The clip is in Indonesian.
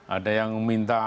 ada yang minta